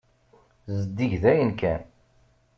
Zeddig dayen kan.